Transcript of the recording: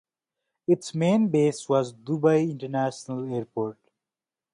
Its main base was Dubai International Airport.